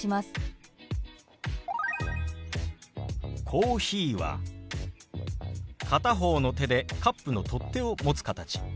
「コーヒー」は片方の手でカップの取っ手を持つ形。